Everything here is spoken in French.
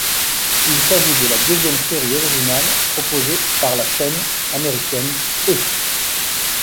Il s'agit de la deuxième série originale proposée par la chaîne américaine E!